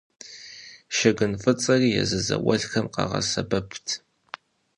Шэгын фӏыцӏэри езы зауэлӏхэм къагъэсэбэпт.